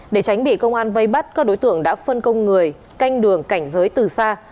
để tránh bị công an vây bắt các đối tượng đã phân công người canh đường cảnh giới từ xa